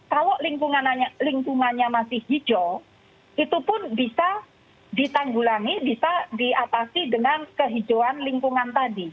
kalau lingkungannya masih hijau itu pun bisa ditanggulangi bisa diatasi dengan kehijauan lingkungan tadi